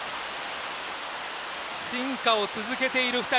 進化を続けている２人。